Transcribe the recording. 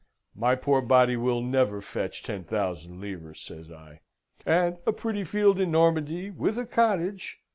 "'My poor body will never fetch ten thousand livres,' says I; 'and a pretty field in Normandy with a cottage...'